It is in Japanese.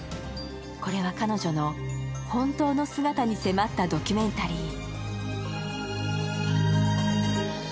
これは彼女の本当の姿に迫ったドキュメンタリー。